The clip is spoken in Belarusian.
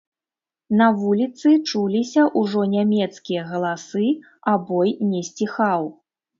На вуліцы чуліся ўжо нямецкія галасы, а бой не сціхаў.